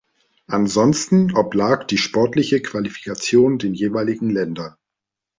Ansonsten oblag die sportliche Qualifikation den jeweiligen Ländern.